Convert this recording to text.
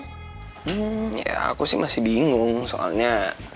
hmm ya aku sih masih bingung soalnya